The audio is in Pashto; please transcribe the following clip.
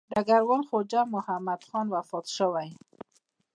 ډګروال خواجه محمد خان وفات شوی.